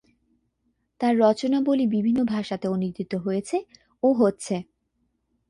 তাঁর রচনাবলী বিভিন্ন ভাষাতে অনূদিত হয়েছে ও হচ্ছে।